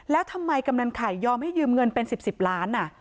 แล้วทำไมกำนันไข่ยอมให้ยืมเงินเป็น๑๐ล้าน